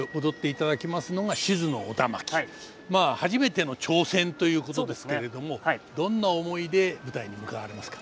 まあ初めての挑戦ということですけれどもどんな思いで舞台に向かわれますか？